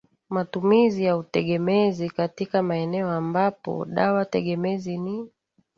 matumizi na utegemezi Katika maeneo ambapo dawa tegemezi ni